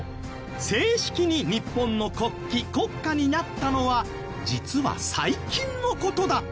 正式に日本の国旗国歌になったのは実は最近の事だった！？